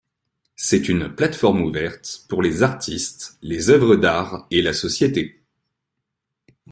C'est une plateforme ouverte pour les artistes, les œuvres d'art et la société.